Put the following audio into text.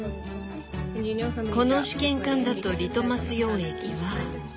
この試験管だとリトマス溶液は。